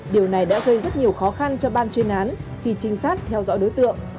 điều này đã gây rất nhiều khó khăn cho ban chuyên án khi trinh sát theo dõi đối tượng